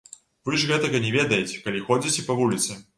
Вы ж гэтага не ведаеце, калі ходзіце па вуліцы.